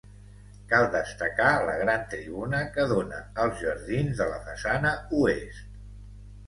Cal destacar la gran tribuna que dóna als jardins de la façana oest.